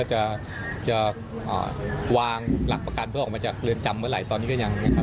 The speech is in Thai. จะวางหลักประกันเพื่อออกมาจากเรือนจำเมื่อไหร่ตอนนี้ก็ยังครับ